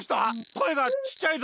こえがちっちゃいぞ？